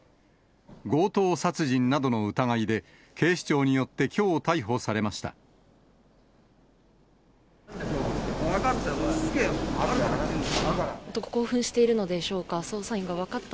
強盗殺人などの疑いで、警視庁によってきょう逮捕されました。